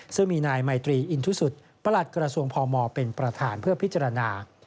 ซึ่งมีนายไมตรีอินทุสุทธิประหลัดกระทรวงพมเป็นประธานเพื่อพิจารณา